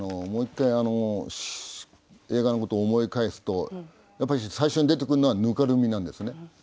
もう一回映画のことを思い返すとやっぱり最初に出てくるのは泥濘なんですね。